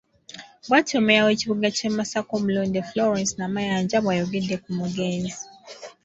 Bwatyo Mmeeya w'ekibuga kya Masaka omulonde, Florence Namayanja bwayogedde ku mugenzi.